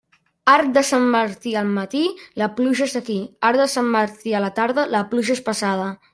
Arc de Sant Martí al matí, la pluja és aquí; arc de Sant Martí a la tarda, la pluja és passada.